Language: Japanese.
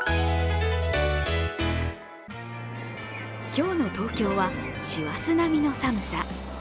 今日の東京は師走並みの寒さ。